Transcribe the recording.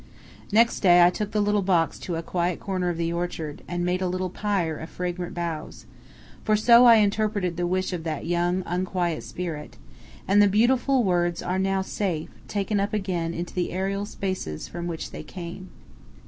Next day I took the little box to a quiet corner of the orchard, and made a little pyre of fragrant boughs for so I interpreted the wish of that young, unquiet spirit and the beautiful words are now safe, taken up again into the aerial spaces from which they came.